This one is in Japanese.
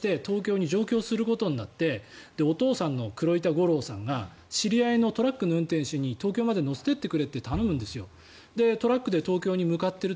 ジュン君という中学生が卒業して東京に上京することになったお父さんの五郎さんが知り合いのトラックの運転手に東京まで乗せてってくれって頼むんですよ。